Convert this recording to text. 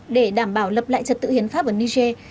để đảm bảo lập lại trật tự hiến pháp ở niger